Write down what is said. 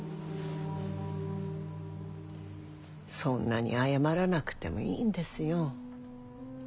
そんなに謝らなくてもいいんですよ。